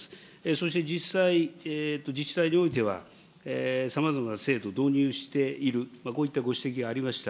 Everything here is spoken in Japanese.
そして実際、自治体においては、さまざまな制度導入している、こういったご指摘がありました。